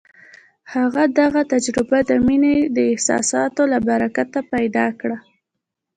هغه دغه تجربه د مينې د احساساتو له برکته پيدا کړه.